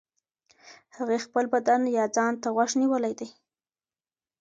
هغې خپل بدن يا ځان ته غوږ نيولی دی.